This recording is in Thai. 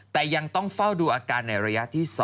แต่ยังต้องเฝ้าดูอาการในระยะที่๒